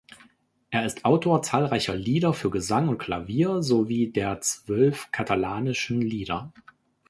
Er ist Autor zahlreicher Lieder für Gesang und Klavier sowie der zwölf katalanischen Lieder.